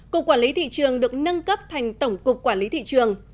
cục quản lý thị trường được nâng cấp thành tổng cục quản lý thị trường